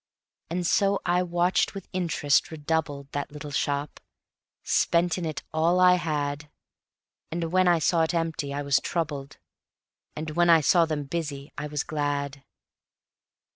And so I watched with interest redoubled That little shop, spent in it all I had; And when I saw it empty I was troubled, And when I saw them busy I was glad.